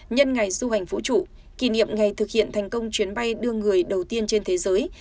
nhân ngày du hành vũ trụ kỷ niệm ngày thực hiện thành công chuyến bay đưa người đầu tiên trên thế giới